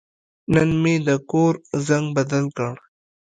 نن مې د کور زنګ بدل کړ.